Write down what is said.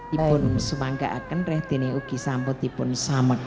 ibu semangka akan rehti ni uki samput ibu sama kakak